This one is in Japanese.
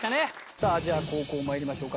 さあじゃあ後攻参りましょうか。